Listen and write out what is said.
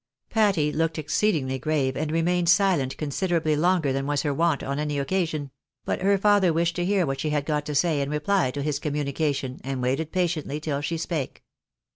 Patty looked exceedingly grave, and remained silent consider ably longer than was her wont on any occasion ; but her father wished to hear what she had got to say in reply to his communica tion, and waited patiently till she spake.